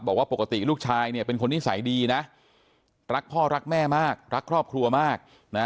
บอกว่าปกติลูกชายเนี่ยเป็นคนนิสัยดีนะรักพ่อรักแม่มากรักครอบครัวมากนะ